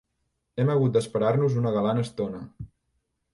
Hem hagut d'esperar-nos una galant estona.